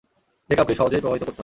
যে কাউকেই সহজেই প্রভাবিত করত।